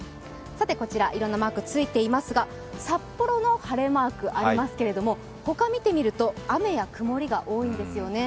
いろんなマークついていますが、札幌の晴れマークありますけれども、他を見てみると、雨や曇りが多いんですよね。